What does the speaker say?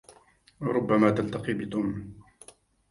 ربما تلتقي بتوم.